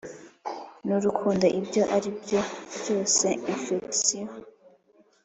n'urukundo ibyo aribyo byose, infection.